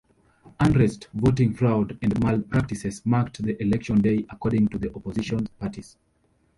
Unrest, voting fraud and malpractices marked the election day according to the opposition parties.